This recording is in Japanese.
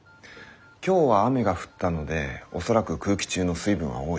今日は雨が降ったので恐らく空気中の水分は多い。